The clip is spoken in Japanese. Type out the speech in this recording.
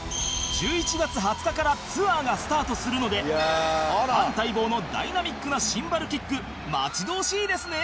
１１月２０日からツアーがスタートするのでファン待望のダイナミックなシンバルキック待ち遠しいですね